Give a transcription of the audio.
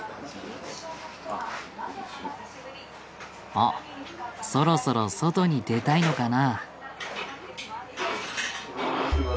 あっそろそろ外に出たいのかな。